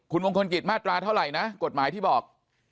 คุณมงคลกิจมาตราเท่าไหร่นะกฎหมายที่บอก